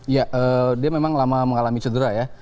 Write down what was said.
ya dia memang lama mengalami cedera ya